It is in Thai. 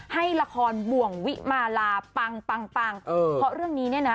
ให้ละครบ่วงวิมาลาปังปังปังเออเพราะเรื่องนี้เนี่ยนะ